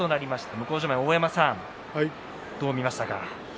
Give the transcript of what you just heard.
向正面の大山さんはどう見ましたか？